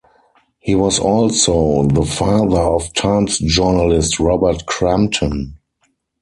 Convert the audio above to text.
He was also the father of Times journalist Robert Crampton.